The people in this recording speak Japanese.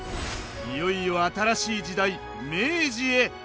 いよいよ新しい時代明治へ！